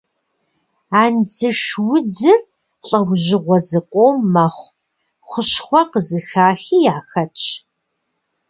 Андзыш удзыр лӏэужьыгъуэ зыкъом мэхъу, хущхъуэ къызыхахи яхэтщ.